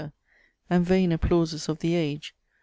And vain applauses of the age!